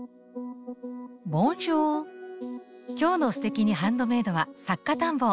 今日の「すてきにハンドメイド」は「作家探訪」。